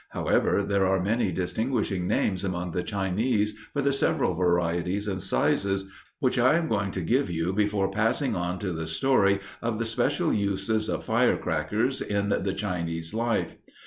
However, there are many distinguishing names among the Chinese for the several varieties and sizes, which I am going to give you before passing on to the story of the special uses of crackers in the Chinese life.